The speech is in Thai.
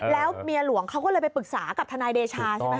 แล้วเมียหลวงเขาก็เลยไปปรึกษากับทนายเดชาใช่ไหม